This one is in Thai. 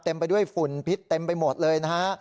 ไปด้วยฝุ่นพิษเต็มไปหมดเลยนะฮะ